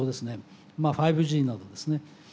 ５Ｇなどですね。